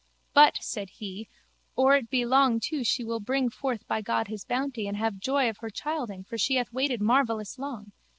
But, said he, or it be long too she will bring forth by God His bounty and have joy of her childing for she hath waited marvellous long.